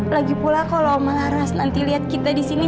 lagipula kalau om malharas nanti lihat kita di sini